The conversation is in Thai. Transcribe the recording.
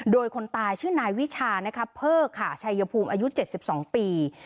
โดยคนตายชื่อนายวิชานะคะเพิกค่ะชัยภูมิอายุ๗๒ปี